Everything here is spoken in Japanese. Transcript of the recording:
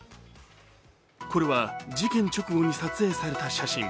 これは事件直後に撮影された写真。